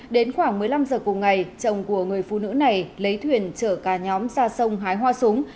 đến khoảng một mươi năm giờ cùng ngày chồng của người phụ nữ này lấy thuyền chở cả nhóm ra sông hái hoa súng